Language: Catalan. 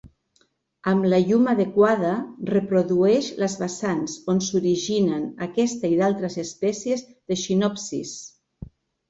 Amb la llum adequada, reprodueix les vessants on s'originen aquesta i d'altres espècies d'Echinopsis.